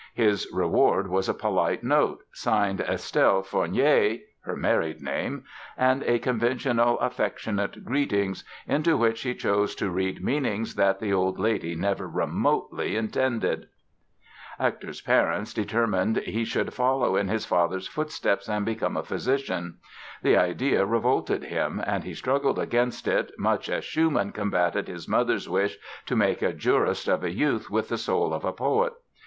His reward was a polite note signed Estelle Fornier—her married name—and a conventional "affectionate greetings", into which he chose to read meanings that the old lady never remotely intended! Hector's parents determined he should follow in his father's footsteps and become a physician. The idea revolted him and he struggled against it much as Schumann combated his mother's wish to make a jurist of a youth with the soul of a poet.